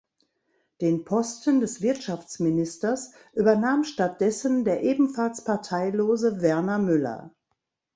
Den Posten des Wirtschaftsministers übernahm stattdessen der ebenfalls parteilose Werner Müller.